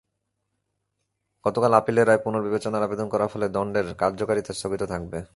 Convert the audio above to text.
গতকাল আপিলের রায় পুনর্বিবেচনার আবেদন করার ফলে দণ্ডের কার্যকারিতা স্থগিত থাকবে।